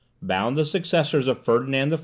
bound the successors of Ferdinand I.